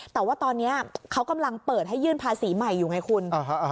แต่ว่าตอนนี้เขากำลังเปิดให้ยื่นภาษีใหม่อยู่ไงคุณ